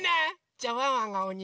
じゃあワンワンがおに！